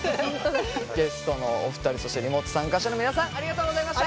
ゲストのお二人そしてリモート参加者の皆さんありがとうございました！